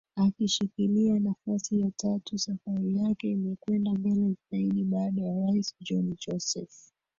akishikilia nafasi ya tatu Safari yake imekwenda mbele zaidi baada ya Rais John Joseph